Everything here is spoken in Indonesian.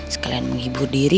sekalian menghibur diri